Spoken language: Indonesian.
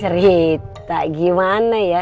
cerita gimana ya